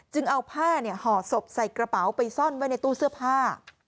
เอาผ้าห่อศพใส่กระเป๋าไปซ่อนไว้ในตู้เสื้อผ้า